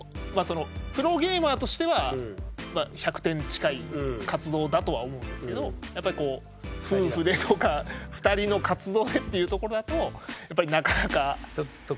プロゲーマーとしては１００点に近い活動だとは思うんですけどやっぱりこう夫婦でとか２人の活動でっていうところだとやっぱりなかなか。